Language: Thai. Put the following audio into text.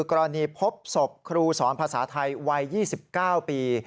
กรณีพบศพครูสอนภาษาไทยวัย๒๙ปี